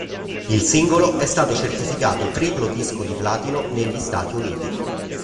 Il singolo è stato certificato triplo disco di platino negli Stati Uniti.